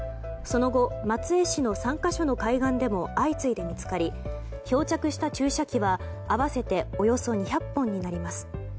その後、松江市の３か所の海岸でも相次いで見つかり漂着した注射器は合わせておよそ２００本になります。